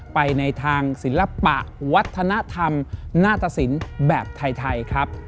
ไปในทางศิลปะวัฒนธรรมนาตสินแบบไทยครับ